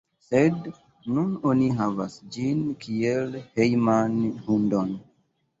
Sed nun oni havas ĝin kiel hejman hundon.